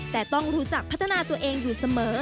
แต่ต้องรู้จักพัฒนาตัวเองอยู่เสมอ